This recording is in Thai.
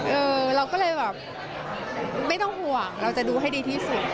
เราก็เลยแบบไม่ต้องห่วงเราจะดูให้ดีที่สุด